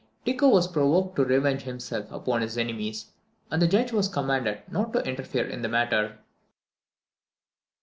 Tycho was provoked to revenge himself upon his enemies, and the judge was commanded not to interfere in the matter.